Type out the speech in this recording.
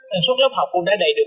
thần suất lớp học cũng đã đầy được